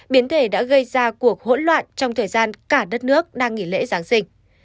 biến thể đã gây ra cuộc hỗn loạn trong thời gian cả đất nước đang nghỉ lễ giáng sinh